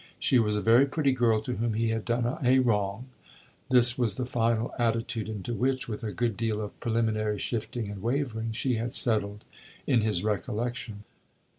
She was a very pretty girl to whom he had done a wrong; this was the final attitude into which, with a good deal of preliminary shifting and wavering, she had settled in his recollection.